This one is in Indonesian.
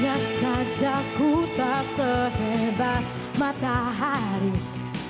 biar saja ku tak setegah batu karat